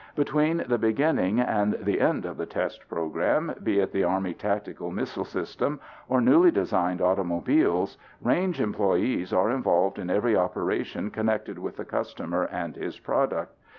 Between the beginning and the end of the test program, be it the Army Tactical Missile System or newly designed automobiles, range employees are involved in every operation connected with the customer and his product.